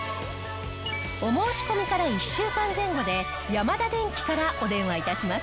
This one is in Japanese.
お申し込みから１週間前後でヤマダデンキからお電話致します。